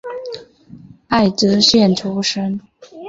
爱知县出身。